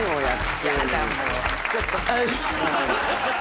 ちょっと。